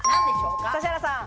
指原さん。